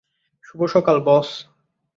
শুভ সকাল, বস!